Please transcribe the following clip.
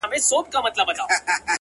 • خاوري دي ژوند سه؛ دا دی ارمان دی؛